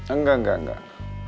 enggak enggak enggak